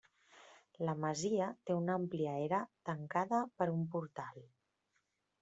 La masia té una àmplia era, tancada per un portal.